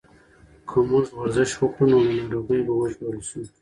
که موږ ورزش وکړو نو له ناروغیو به وژغورل شو.